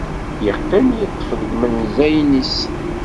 Yeqqim yeṭṭef deg imenzayen-is.